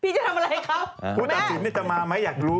พี่จะทำอะไรครับแม่ผู้ตัดสินนี่จะมาไหมอยากรู้